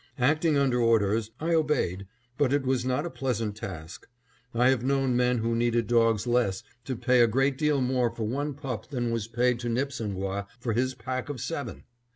Acting under orders, I obeyed, but it was not a pleasant task. I have known men who needed dogs less to pay a great deal more for one pup than was paid to Nipsangwah for his pack of seven.